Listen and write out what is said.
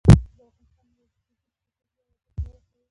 زرغون خان نورزى د پښتو ژبـي او ادب پياوړی شاعر دﺉ.